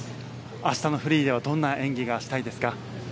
明日のフリーではどんな演技がしたいですか？